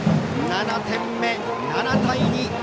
７点目、７対２。